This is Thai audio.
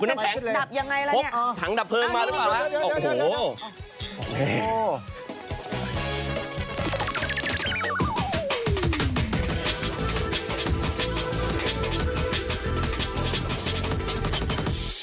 คุณน้ำแข็งพบถังดับเพิงมาหรือเปล่าละโอ้โห